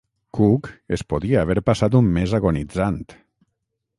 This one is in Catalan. Cook es podia haver passat un mes agonitzant!